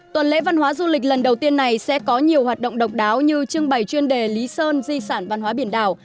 tuần lễ văn hóa du lịch lần đầu tiên này sẽ có nhiều hoạt động độc đáo như trưng bày chuyên đề lý sơn di sản văn hóa biển đảo